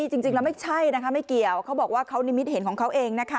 จริงแล้วไม่ใช่นะคะไม่เกี่ยวเขาบอกว่าเขานิมิตเห็นของเขาเองนะคะ